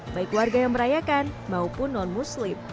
baik warga yang merayakan maupun non muslim